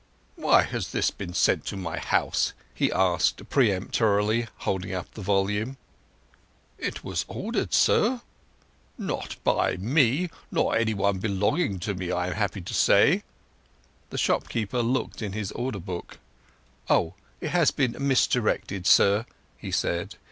"Why has this been sent to my house?" he asked peremptorily, holding up the volume. "It was ordered, sir." "Not by me, or any one belonging to me, I am happy to say." The shopkeeper looked into his order book. "Oh, it has been misdirected, sir," he said.